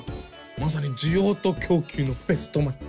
正に需要と供給のベストマッチ！